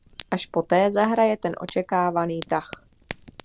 Až poté zahraje ten očekávaný tah.